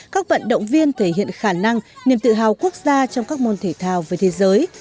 các vận động viên thể hiện khả năng niềm tự hào quốc gia trong các môn thể thao với thế giới